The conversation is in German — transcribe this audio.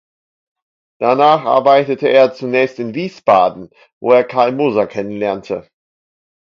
Danach arbeitete er zunächst in Wiesbaden, wo er Karl Moser kennenlernte.